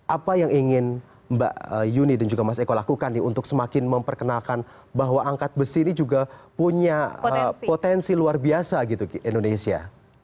apa yang ingin mbak yuni dan juga mas eko lakukan nih untuk semakin memperkenalkan bahwa angkat besi ini juga punya potensi luar biasa gitu indonesia